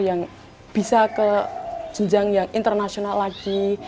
yang bisa ke jenjang yang internasional lagi